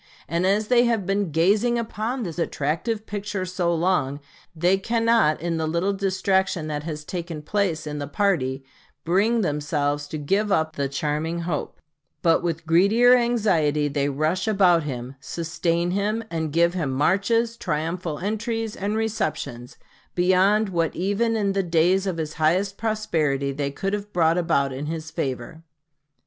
And as they have been gazing upon this attractive picture so long, they cannot, in the little distraction that has taken place in the party, bring themselves to give up the charming hope; but with greedier anxiety they rush about him, sustain him, and give him marches, triumphal entries, and receptions, beyond what even in the days of his highest prosperity they could have brought about in his favor.